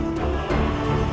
ada di gunung cermain